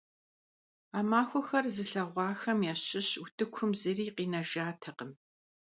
A maxuexer zılheğuaxem yaşış vutıkum zıri khinejjatekhım.